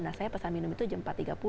nah saya pesan minum itu jam empat tiga puluh